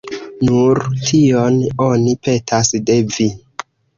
Nur tion oni petas de vi.